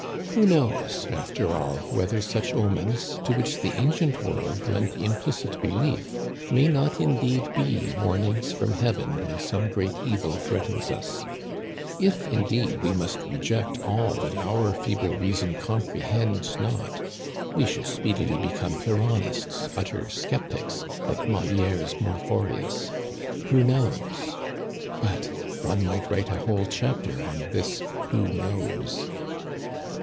Who knows, after all, whether such omens, to which the ancient world lent implicit belief, may not indeed be warnings from heaven when some great evil threatens us ? If, in deed, we must reject all that our feeble reason compre hends not, we should speedily become Pyrrhonists, utter skeptics, like Molière's Marphorius. Who knows? But one might write a whole chapter on this who knows."